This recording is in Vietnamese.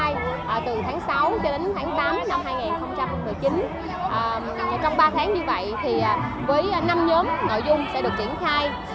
nó được triển khai từ tháng sáu cho đến tháng tám năm hai nghìn một mươi chín trong ba tháng như vậy thì với năm nhóm nội dung sẽ được triển khai